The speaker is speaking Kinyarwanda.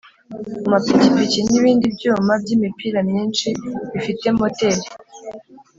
amapikipiki n’ ibindi byuma by’ imipira myinshi bifite moteri